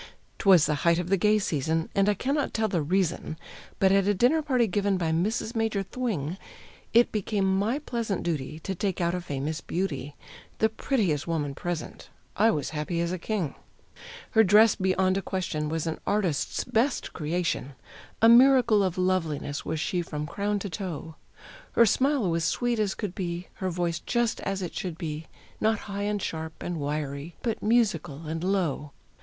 'Twas the height of the gay season, and I cannot tell the reason, But at a dinner party given by Mrs. Major Thwing It became my pleasant duty to take out a famous beauty The prettiest woman present. I was happy as a king. Her dress beyond a question was an artist's best creation; A miracle of loveliness was she from crown to toe. Her smile was sweet as could be, her voice just as it should be Not high, and sharp, and wiry, but musical and low.